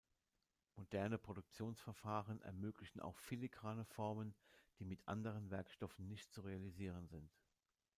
Moderne Produktionsverfahren ermöglichen auch filigrane Formen, die mit anderen Werkstoffen nicht zu realisieren sind.